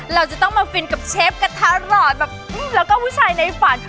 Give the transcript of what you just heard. เราจะต้องมาฟินกับเชฟกระทะหลอดแบบแล้วก็ผู้ชายในฝัน